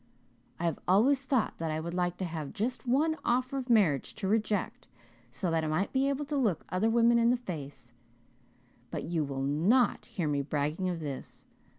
I have always thought that I would like to have just one offer of marriage to reject, so that I might be able to look other women in the face, but you will not hear me bragging of this.